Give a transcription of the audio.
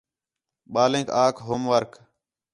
ٻالینک آکھ ہوم ورک